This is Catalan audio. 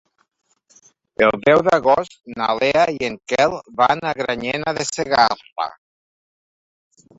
El deu d'agost na Lea i en Quel van a Granyena de Segarra.